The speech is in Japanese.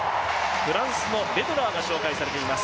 フランスのベドラーが紹介されています。